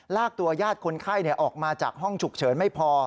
ลากตัวญาติคนไข้ออกมาจากห้องฉุกเฉินไม่พอ